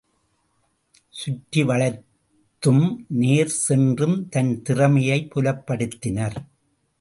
சுற்றி வளைத்தும், நேர் சென்றும் தன் திறமையைப் புலப்படுத்தினர்.